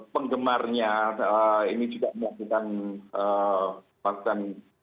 penggemarnya ini juga melakukan